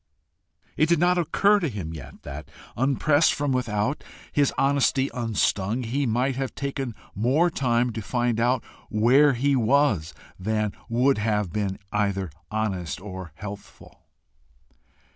It did not occur to him yet that, unpressed from without, his honesty unstung, he might have taken more time to find out where he was than would have been either honest or healthful.